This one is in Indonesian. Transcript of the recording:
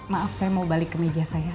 maaf saya mau balik ke meja saya